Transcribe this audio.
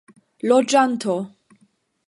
loĝanto